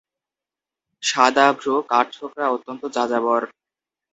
সাদা ভ্রূ কাঠঠোকরা অত্যন্ত যাযাবর।